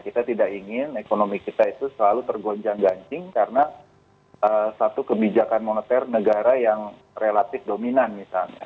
kita tidak ingin ekonomi kita itu selalu tergonjang ganjing karena satu kebijakan moneter negara yang relatif dominan misalnya